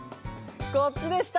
こっちでした！